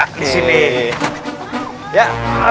dalam situ ya